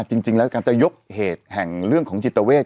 จริงแล้วการจะยกเหตุแห่งเรื่องของจิตเวท